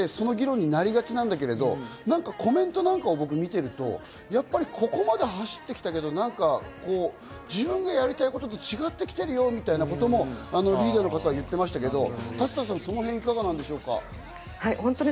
兵役制度はあって、その議論になりがちなんだけれど、コメントなんかを見てると、ここまで走ってきたけど、自分がやりたいことと違ってきているよみたいなこともリーダーの方は言ってましたけど、立田さん、そのへんいかがでしょうか？